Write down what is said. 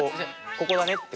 ここだねって。